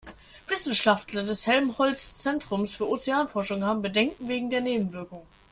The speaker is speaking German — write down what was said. Wissenschaftler des Helmholtz-Zentrums für Ozeanforschung haben Bedenken wegen der Nebenwirkungen.